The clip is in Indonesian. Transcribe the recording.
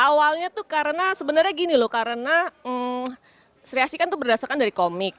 awalnya itu karena sebenarnya gini loh karena sri asi itu berdasarkan dari komik